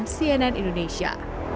dari leputan cnn indonesia